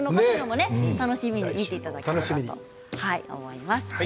楽しみに見ていただければと思います。